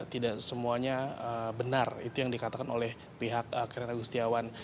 tidak semuanya benar itu yang dikatakan oleh pihak kren agustiawan